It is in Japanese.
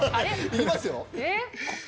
いきますよ？